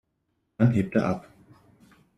Dann hebt er ab.